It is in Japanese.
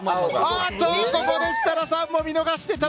ここで、設楽さんも見逃した！